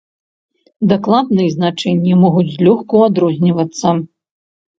Дакладныя значэнні могуць злёгку адрознівацца.